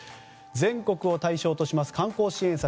全国を対象とします観光支援策